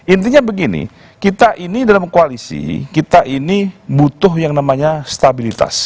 intinya begini kita ini dalam koalisi kita ini butuh yang namanya stabilitas